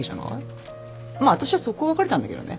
まあ私は即行別れたんだけどね。